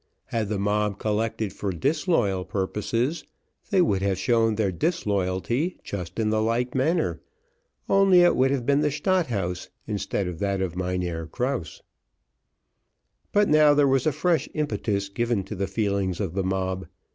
Had the mob collected for disloyal purposes, they would have shown their disloyalty just in the like manner, only it would have been the Stadt House instead of that of Mynheer Krause. But now there was a fresh impetus given to the feelings of the mob.